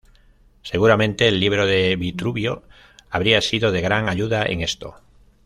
Seguramente el libro de Vitruvio habría sido de gran ayuda en esto.